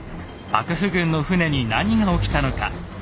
幕府軍の船に何が起きたのか。